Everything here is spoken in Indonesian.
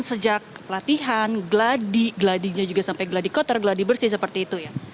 sejak latihan gladi gladinya juga sampai gladi kotor gladi bersih seperti itu ya